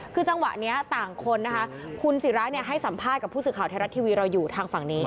คือจังหวะนี้ต่างคนนะคะคุณศิราให้สัมภาษณ์กับผู้สื่อข่าวไทยรัฐทีวีเราอยู่ทางฝั่งนี้